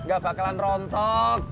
gak bakalan rontok